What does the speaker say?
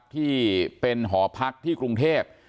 ที่เป็นหอพักที่กรุงเทพ